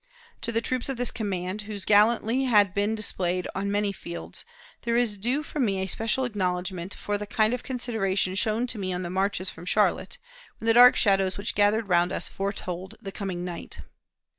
To the troops of this command, whose gallantly had been displayed on many fields, there is due from me a special acknowledgment for the kind consideration shown to me on the marches from Charlotte, when the dark shadows which gathered round us foretold the coming night.